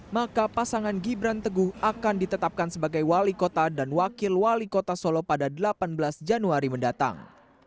maka pasangan gibran teguh akan ditetapkan sebagai wali kota dan wakil wali kota solo pada delapan belas januari mendatang